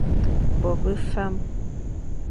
Bo be fam.